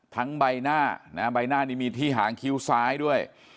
ใบหน้านะใบหน้านี้มีที่หางคิ้วซ้ายด้วย